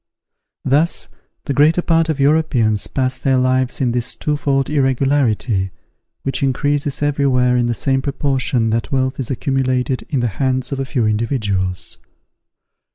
Thus, the greater part of Europeans pass their lives in this twofold irregularity, which increases everywhere in the same proportion that wealth is accumulated in the hands of a few individuals.